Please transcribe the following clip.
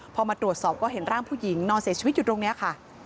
พอมาตรวจสอบก็เห็นร่างผู้หญิงนอนเสียชีวิตอยู่ตรงนี้ค่ะ